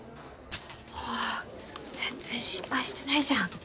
もう全然心配してないじゃん。